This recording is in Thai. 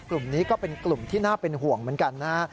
กลุ่มนี้ก็เป็นกลุ่มที่น่าเป็นห่วงเหมือนกันนะฮะ